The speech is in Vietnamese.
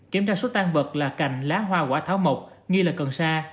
kiểm tra số tan vật là cành lá hoa quả thảo mộc nghi là cần sa